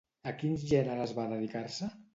A quins gèneres va dedicar-se?